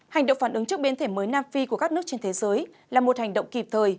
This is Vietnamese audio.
hành động phản ứng trước biến thể mới nam phi của các nước trên thế giới là một hành động kịp thời